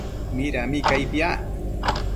Midami cai piac?